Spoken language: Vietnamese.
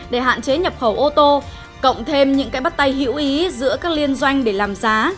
để hạn chế nhập khẩu ô tô cộng thêm những cái bắt tay hữu ý giữa các liên doanh để làm giá